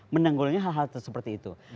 menanggulangi hal hal seperti itu